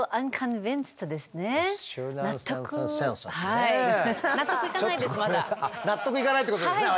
納得いかないってことですね。